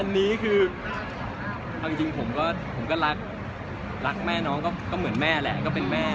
อันนี้คือเอาจริงผมก็รักรักแม่น้องก็เหมือนแม่แหละก็เป็นแม่